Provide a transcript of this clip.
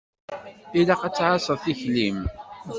Ilaq ad tɛasseḍ tikli-m.